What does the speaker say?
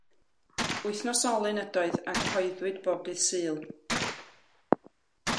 Wythnosolyn ydoedd a gyhoeddwyd bob dydd Sul.